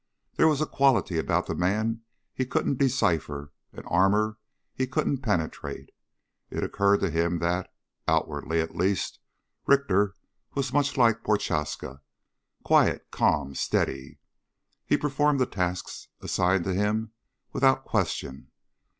There was a quality about the man he couldn't decipher, an armor he couldn't penetrate. It occurred to him that, outwardly at least, Richter was much like Prochaska quiet, calm, steady. He performed the tasks assigned him without question